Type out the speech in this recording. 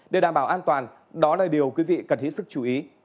để đảm bảo an toàn đó là điều quý vị cần hết sức chú ý